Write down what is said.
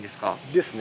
ですね。